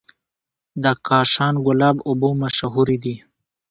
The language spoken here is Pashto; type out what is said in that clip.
د کاشان ګلاب اوبه مشهورې دي.